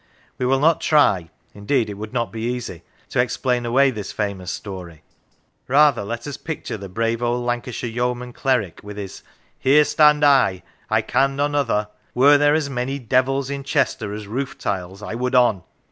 We will not try (indeed it would not be easy) to explain away this famous story. Rather let us picture the brave old Lancashire yeoman cleric, with his " Here stand I, I can none other: were there as many devils in Chester as rooftiles, I would on."